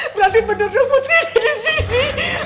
berarti bener bener putri ada di sini